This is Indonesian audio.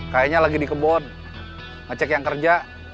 kayaknya lagi di kebon ngecek yang kerja